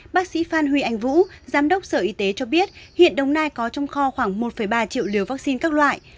bác sĩ phan huy anh vũ giám đốc sở y tế cho biết hiện đồng nai có trong kho khoảng một ba triệu liều vaccine các loại